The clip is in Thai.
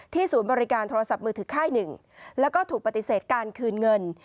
ศูนย์บริการโทรศัพท์มือถือค่ายหนึ่งแล้วก็ถูกปฏิเสธการคืนเงิน